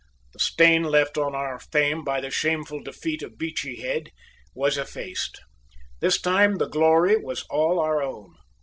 The stain left on our fame by the shameful defeat of Beachy Head was effaced. This time the glory was all our own.